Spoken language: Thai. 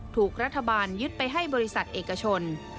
ถูกรัฐบาลยึดไปให้บริษัทเอกชน